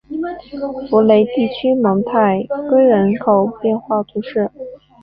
福雷地区蒙泰圭人口变化图示